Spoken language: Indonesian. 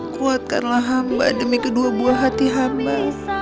kuatkanlah hamba demi kedua buah hati hamba